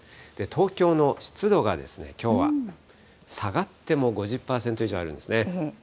東京の湿度が、きょうは下がっても５０％以上あるんですね。